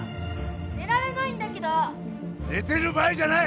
寝られないんだけど寝てる場合じゃない！